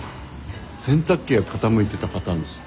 洗濯機が傾いてたパターンでした。